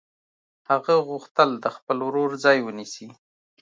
هغه غوښتل د خپل ورور ځای ونیسي